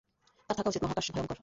তার থাকা উচিত, মহাকাশ ভয়ঙ্কর।